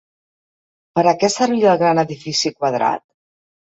Per a què servia el gran edifici quadrat?